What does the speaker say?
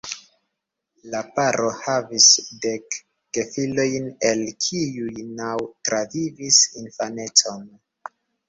La paro havis dek gefilojn, el kiuj naŭ travivis infanecon.